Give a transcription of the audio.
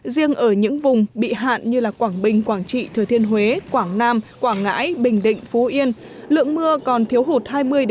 một mươi một mươi năm riêng ở những vùng bị hạn như quảng bình quảng trị thừa thiên huế quảng nam quảng ngãi bình định phú yên lượng mưa còn thiếu hụt hai mươi bốn mươi